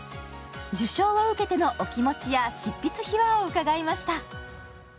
受賞を受けてのお気持ちや執筆秘話を伺いました。